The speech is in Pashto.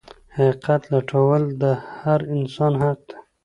حقيقت لټول د هر انسان حق دی.